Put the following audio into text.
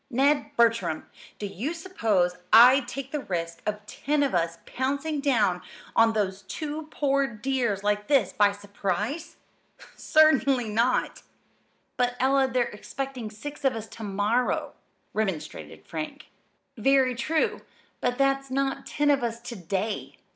"Ned Bertram, do you suppose I'd take the risk of ten of us pouncing down on those two poor dears like this by surprise? Certainly not!" "But, Ella, they're expecting six of us to morrow," remonstrated Frank. "Very true. But that's not ten of us to day."